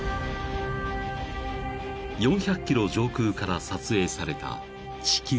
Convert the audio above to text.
［４００ｋｍ上空から撮影された地球］